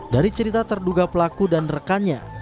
dari cerita terduga pelaku dan rekannya